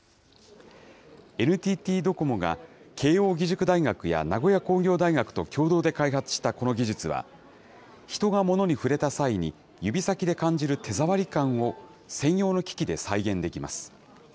ＮＴＴドコモが、慶應義塾大学や名古屋工業大学と共同で開発したこの技術は、人が物に触れた際に、指先で感じる手触り感を専用の機器で再現できます。